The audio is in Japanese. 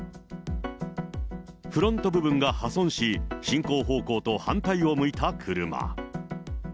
フロント部分が破損し、進行方向と反対を向いた車。